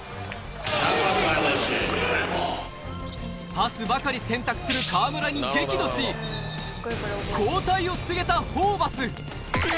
パスばかり選択する河村に激怒し、交代を告げたホーバス。